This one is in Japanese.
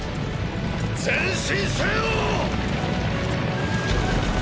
前進せよ！！